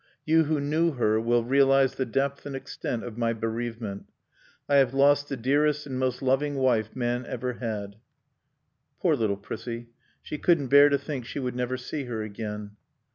You who knew her will realize the depth and extent of my bereavement. I have lost the dearest and most loving wife man ever had...." Poor little Prissie. She couldn't bear to think she would never see her again.